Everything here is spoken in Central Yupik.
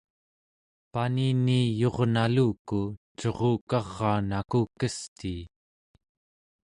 panini eyurnaqluku curukaraa nakukestii